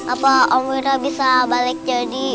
apa om wira bisa balik jadi